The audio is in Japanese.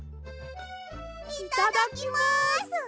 いただきます！